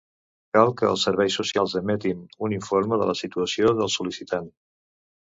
Cal que els serveis socials emetin un informe de la situació del sol·licitant.